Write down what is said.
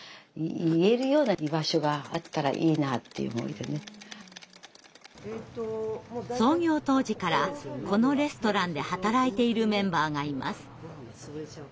だからそんな時に創業当時からこのレストランで働いているメンバーがいます。